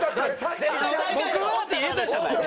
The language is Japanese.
「僕は」って言えたじゃない？